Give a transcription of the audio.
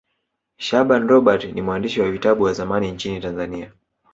shaaban robert ni mwandishi wa vitabu wa zamani nchini tanzania